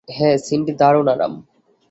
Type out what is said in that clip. হ্যাঁ, সিন্ডি, দারুণ আরাম।